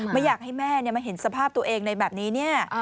ไม่อยากให้แม่มาเห็นสภาพตัวเองในแบบนี้เนี่ย